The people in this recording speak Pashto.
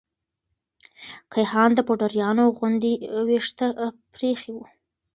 کيهان د پوډريانو غوندې ويښته پريخي وه.